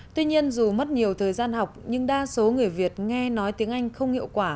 tuy nhiên dù mất nhiều thời gian học nhưng đa số người việt nghe nói tiếng anh không hiệu quả